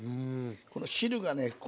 この汁がね